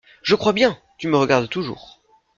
Je crois bien ! tu me regardes toujours.